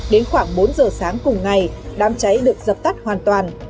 đến khoảng bốn giờ sáng cùng ngày đám cháy được dập tắt hoàn toàn